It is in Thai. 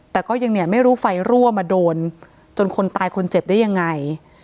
แต่ก็ยังเนี่ยไม่รู้ไฟรั่วมาโดนจนคนตายคนเจ็บได้ยังไง